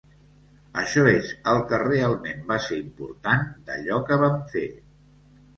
Això és el que realment va ser important, d’allò que vam fer.